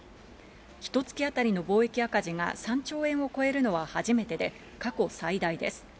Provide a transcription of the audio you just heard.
ひと月あたりの貿易赤字が３兆円を超えるのは初めてで、過去最大です。